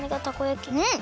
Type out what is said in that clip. うん！